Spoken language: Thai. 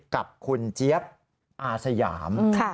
กับคุณเจี๊ยบอาสยาม